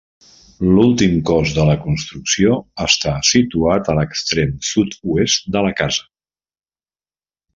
L'últim cos de la construcció està situat a l'extrem sud-oest de la casa.